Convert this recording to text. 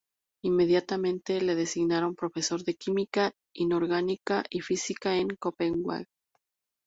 Inmediatamente le designaron profesor de Química inorgánica y Física en Copenhague.